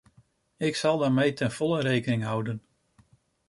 Ik zal daarmee ten volle rekening houden.